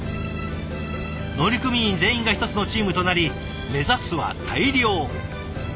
乗組員全員が１つのチームとなり目指すは大漁。